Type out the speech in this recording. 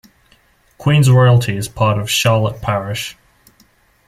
Queens Royalty is part of Charlotte Parish.